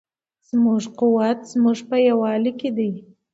زموږ قوت په زموږ په یووالي کې دی.